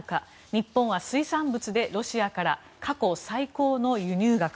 日本は水産物でロシアから過去最高の輸入額。